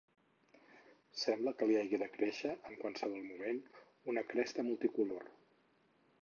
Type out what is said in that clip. Sembla que li hagi de créixer, en qualsevol moment, una cresta multicolor.